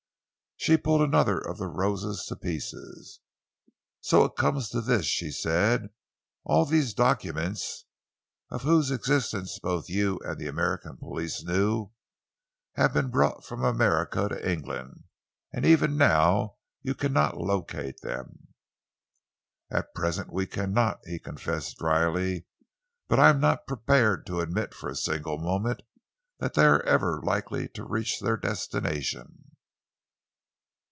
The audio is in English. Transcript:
She pulled another of the roses to pieces. "So it comes to this," she said. "All these documents, of whose existence both you and the American police knew, have been brought from America to England, and even now you cannot locate them." "At present we cannot," he confessed drily, "but I am not prepared to admit for a single moment that they are ever likely to reach their destination."